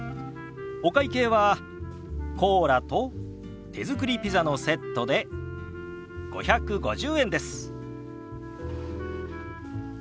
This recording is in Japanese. お会計はコーラと手作りピザのセットで５５０円です。